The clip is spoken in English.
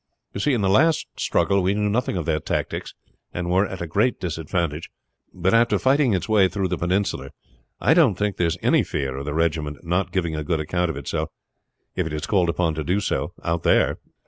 You see, in the last struggle we knew nothing of their tactics, and were at a great disadvantage; but after fighting its way through the Peninsular, I don't think there is any fear of the regiment not giving a good account of itself, if it is called upon to do so, out there."